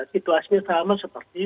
situasinya sama seperti